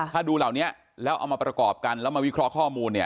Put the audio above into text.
ถ้าดูเหล่านี้แล้วเอามาประกอบกันแล้วมาวิเคราะห์ข้อมูลเนี่ย